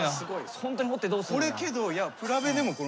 ホントに掘ってどうするの。